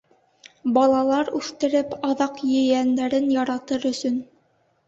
Балалар үҫтереп, аҙаҡ ейәндәрен яратыр өсөн.